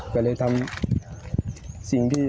เพราะทำสิ่งที่